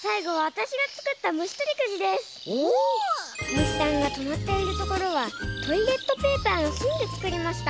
むしさんがとまっているところはトイレットペーパーのしんでつくりました。